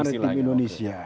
benua maritim indonesia